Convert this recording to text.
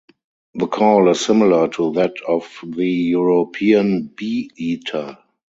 The call is similar to that of the European bee-eater.